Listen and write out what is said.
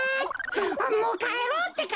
あっもうかえろうってか！